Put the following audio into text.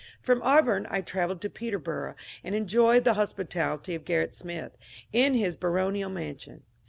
From Auburn I travelled to Peterborough, and enjoyed the hospitality of G^rrit Smith in his baronial mansion.